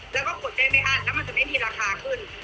แล้วก็กดได้ไม่อั้นแล้วมันจะไม่มีราคาขึ้น